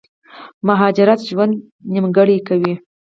مهاجرت ژوند نيمګړی کوي